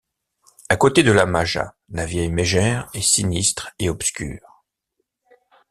À côté de la maja, la vieille mégère est sinistre et obscure.